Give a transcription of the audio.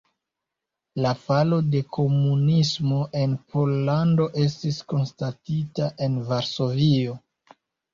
La falo de komunismo en Pollando estis konstatita en Varsovio.